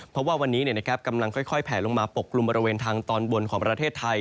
เพราะว่าวันนี้กำลังค่อยแผลลงมาปกกลุ่มบริเวณทางตอนบนของประเทศไทย